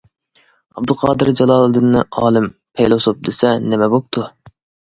ئابدۇقادىر جالالىدىننى ئالىم، پەيلاسوپ دېسە نېمە بوپتۇ.